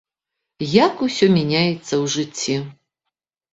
Як усё мяняецца ў жыцці!